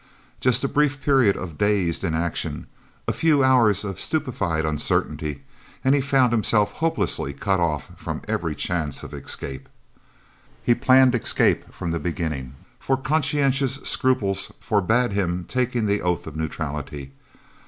Just a brief period of dazed inaction, a few hours of stupefied uncertainty, and he found himself hopelessly cut off from every chance of escape. He planned escape from the beginning, for conscientious scruples forbade his taking the oath of neutrality.